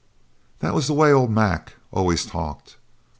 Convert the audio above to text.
That was the way old Mac always talked.